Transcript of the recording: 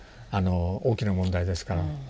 大きな問題ですから。